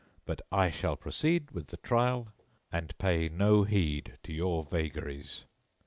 But I shall proceed with the trial and pay no heed to your vagaries."